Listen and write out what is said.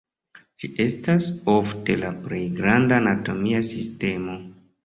Ĝi estas ofte la plej granda anatomia sistemo.